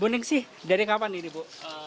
bu ning sih dari kapan ini bu